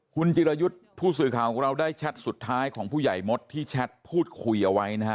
คุณจิรายุทธ์ผู้สื่อข่าวของเราได้แชทสุดท้ายของผู้ใหญ่มดที่แชทพูดคุยเอาไว้นะฮะ